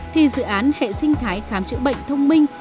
thì dự án hệ sinh thái khám chữa bệnh thông minh